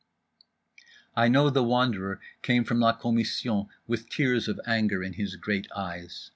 I know The Wanderer came from la commission with tears of anger in his great eyes.